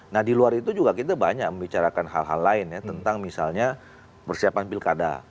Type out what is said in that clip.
nah di luar itu juga kita banyak membicarakan hal hal lain ya tentang misalnya persiapan pilkada